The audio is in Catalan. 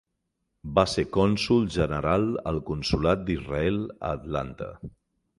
Va ser cònsol general al consolat d'Israel a Atlanta.